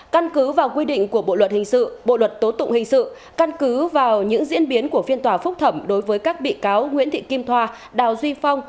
căn cứ vào quy định của bộ luật hình sự bộ luật tố tụng hình sự căn cứ vào những diễn biến của phiên tòa phúc thẩm đối với các bị cáo nguyễn thị kim thoa đào duy phong